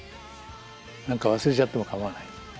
何か忘れちゃっても構わない。